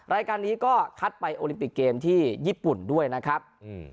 รายการนี้ก็คัดไปโอลิมปิกเกมที่ญี่ปุ่นด้วยนะครับ